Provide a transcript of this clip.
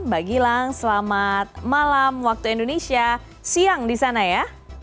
mbak gilang selamat malam waktu indonesia siang di sana ya